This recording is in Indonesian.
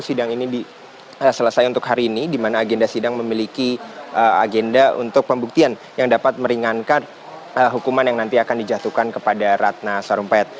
sidang ini selesai untuk hari ini di mana agenda sidang memiliki agenda untuk pembuktian yang dapat meringankan hukuman yang nanti akan dijatuhkan kepada ratna sarumpait